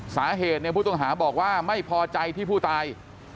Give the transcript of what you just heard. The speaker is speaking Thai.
สาเหตุเนี่ยผู้ต้องหาบอกว่าไม่พอใจที่ผู้ตาย